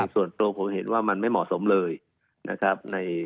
ส่วนตรงผมเห็นว่ามันไม่เหมาะสมเลยนะครับ